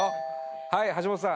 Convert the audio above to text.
はい橋本さん